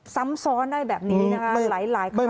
ซ้ำซ้อนได้แบบนี้นะคะหลายคน